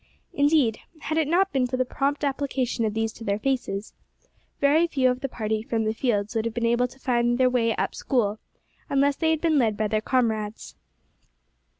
Indeed, had it not been for the prompt application of these to their faces, very few of the party from the fields would have been able to find their way up School unless they had been led by their comrades.